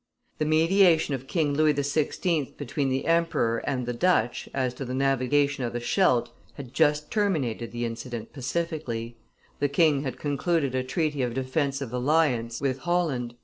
The mediation of King Louis XVI. between the emperor and the Dutch, as to the navigation of the Scheldt, had just terminated the incident pacifically: the king had concluded a treaty of defensive alliance with Holland.